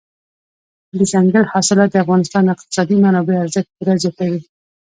دځنګل حاصلات د افغانستان د اقتصادي منابعو ارزښت پوره زیاتوي.